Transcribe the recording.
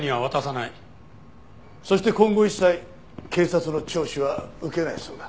そして今後一切警察の聴取は受けないそうだ。